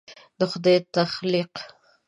د خدای تخلیق